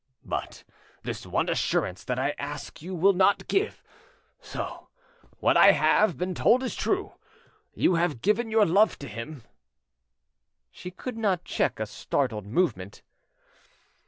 "But this one assurance that I ask you will not give. So what I have—been told is true: you have given your love to him." She could not check a startled movement.